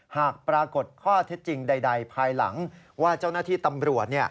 หากปรากฏข้อเท็จจริงใดภายหลังว่าเจ้าหน้าที่ตำรวจ